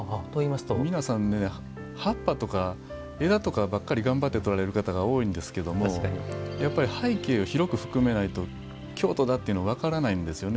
皆さん、葉っぱとか枝とかばかり頑張って撮られる方が多いんですけど、やっぱり背景を広く含めないと京都だっていうのが分からないんですよね。